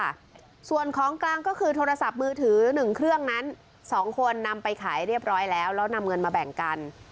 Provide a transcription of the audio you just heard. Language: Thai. ค่ะส่วนของกลางก็คือโทรศัพท์มือถือหนึ่งเครื่องนั้นสองคนนำไปขายเรียบร้อยแล้วแล้วนำเงินมาแบ่งกัน